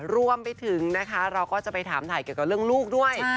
รวมไปถึงนะคะเราก็จะไปถามถ่ายเกี่ยวกับเรื่องลูกด้วย